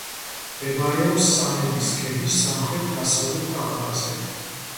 მდებარეობს სამების ქედის სამხრეთ-დასავლეთ კალთაზე.